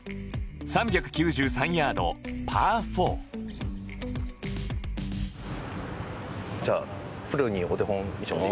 ３９３ヤードパー４じゃあプロにお手本見せてもらっていいですか？